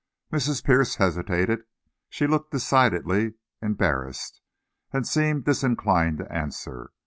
Mrs. Pierce hesitated. She looked decidedly embarrassed, and seemed disinclined to answer.